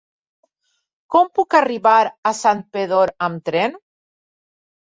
Com puc arribar a Santpedor amb tren?